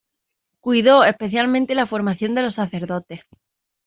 Cuidó especialmente la formación de los sacerdotes.